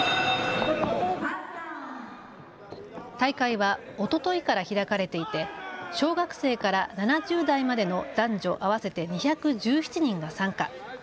大会はおとといから開かれていて小学生から７０代までの男女合わせて２１７人が参加。